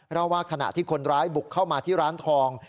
เล่าว่าขณะที่คนร้ายบุกเข้ามาที่ร้านทอง